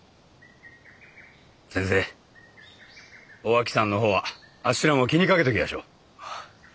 先生おあきさんの方はあっしらも気にかけときやしょう。